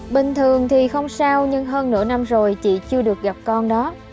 bình thường thì không sao nhưng hơn nửa năm rồi chị chưa được gặp con đó